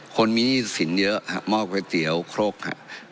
คนมีสินเยอะมอบก๋วยเตี๋ยวครกนะ